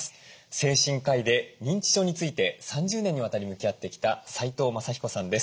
精神科医で認知症について３０年にわたり向き合ってきた齋藤正彦さんです。